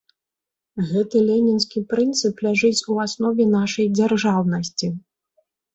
Гэты ленінскі прынцып ляжыць у аснове нашай дзяржаўнасці.